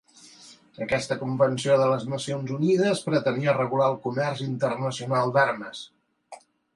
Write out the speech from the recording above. Aquesta convenció de les Nacions Unides pretenia regular el comerç internacional d'armes.